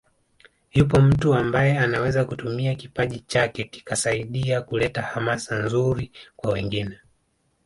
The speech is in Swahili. Yupo mtu ambaye anaweza kutumia kipaji chake kikasaidia kuleta hamasa nzuri kwa wengine